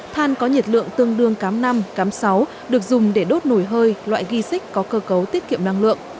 than có nhiệt lượng tương đương cám năm cám sáu được dùng để đốt nồi hơi loại ghi xích có cơ cấu tiết kiệm năng lượng